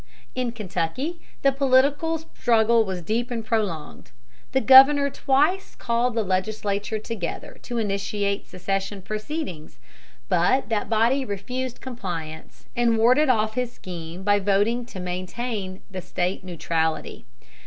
In Kentucky the political struggle was deep and prolonged. The governor twice called the legislature together to initiate secession proceedings; but that body refused compliance, and warded off his scheme by voting to maintain the State neutrality.